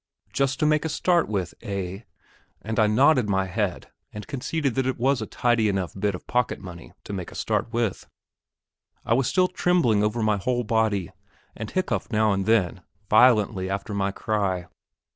just to make a start with, eh? and I nodded my head, and conceded that it was a tidy enough bit of pocket money to make a start with. I was still trembling over my whole body, and hiccoughed now and then violently after my cry.